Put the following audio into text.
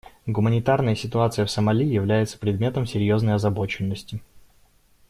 Гуманитарная ситуация в Сомали является предметом серьезной озабоченности.